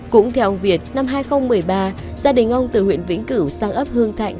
cũng theo ông việt năm hai nghìn một mươi ba gia đình ông từ huyện vĩnh cửu sang ấp hương thạnh